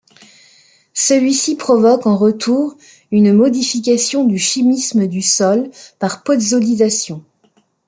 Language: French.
Celui-ci provoque en retour une modification du chimisme du sol par podzolisation.